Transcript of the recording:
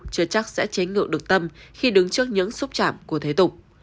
chưa chắc sẽ chế ngược được tâm khi đứng trước những xúc chạm của thế tục